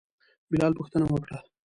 بلال پوښتنه وکړه.